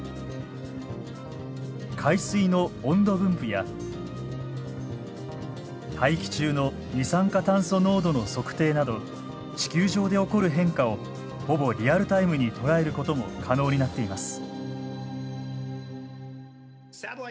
海水の温度分布や大気中の二酸化炭素濃度の測定など地球上で起こる変化をほぼリアルタイムに捉えることも可能になっています。